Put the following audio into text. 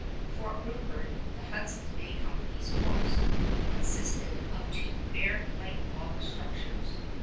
Fort Rupert, the Hudson's Bay Company's post, consisted of two barrack like log structures.